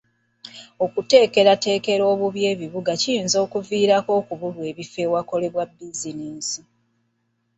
Okuteekerateekera obubi ekibuga kiyinza okuviirako okubulwa ebifo awakolelwa bizinensi.